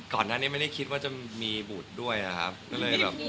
ก่อนหน้านี้ไม่ได้คิดว่าจะมีบูธด้วยนะครับ